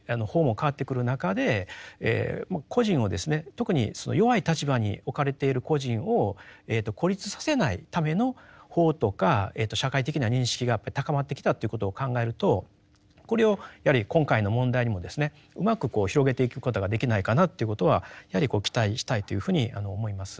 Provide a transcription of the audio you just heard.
特にその弱い立場に置かれている個人を孤立させないための法とか社会的な認識が高まってきたということを考えるとこれをやはり今回の問題にもですねうまく広げていくことができないかなということはやはり期待したいというふうに思います。